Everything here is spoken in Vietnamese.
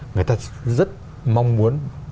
người ta rất mong muốn